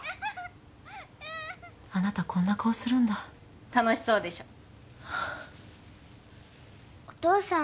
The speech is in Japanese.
あなたこんな顔するんだ楽しそうでしょお父さん